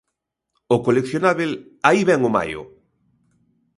O coleccionábel "Aí vén o maio!".